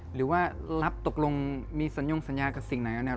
หรือว่ารับตกลงมีสัญญงสัญญากับสิ่งไหนแล้วเนี่ย